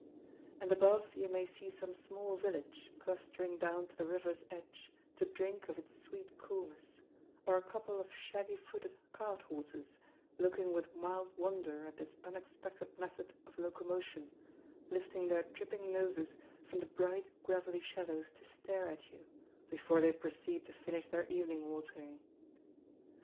And above you may see some small village clustering down to the river's edge, to drink of its sweet coolness, or a couple of shaggy footed cart horses, looking with mild wonder at this unexpected method of locomotion, lifting their dripping noses from the bright gravelly shallows to stare at you, before they proceed to finish their evening watering.